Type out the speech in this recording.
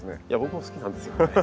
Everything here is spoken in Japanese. いや僕も好きなんですよね。